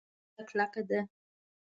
دا کلکه ده